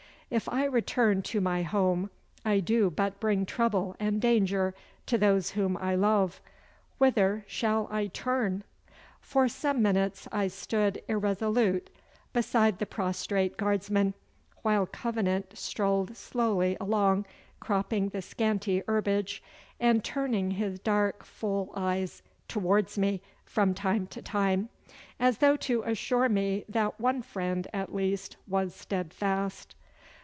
If I return to my home I do but bring trouble and danger to those whom I love. Whither shall I turn?' For some minutes I stood irresolute beside the prostrate guardsmen, while Covenant strolled slowly along cropping the scanty herbage, and turning his dark full eyes towards me from time to time, as though to assure me that one friend at least was steadfast.